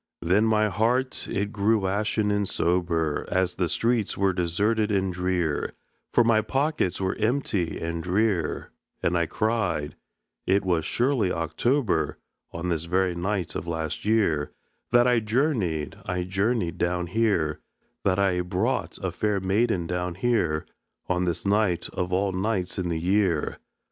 Then my heart it grew ashen and sober, As the streets were deserted and drear, For my pockets were empty and drear; And I cried: "It was surely October, On this very night of last year, That I journeyed, I journeyed down here, That I brought a fair maiden down here, On this night of all nights in the year!